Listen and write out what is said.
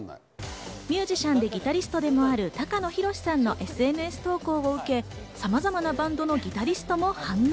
ミュージシャンでギタリストでもある、高野寛さんのＳＮＳトークを受け、さまざまなバンドのギタリストも反応。